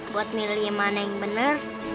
buat milih mana yang benar